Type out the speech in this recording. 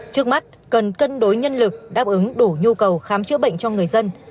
trước mắt cần cân đối nhân lực đáp ứng đủ nhu cầu khám chữa bệnh cho người dân